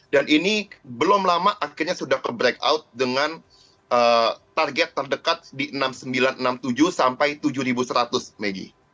dan ini belum lama akhirnya sudah ke breakout dengan target terdekat di enam sembilan ratus enam puluh tujuh sampai tujuh seratus megi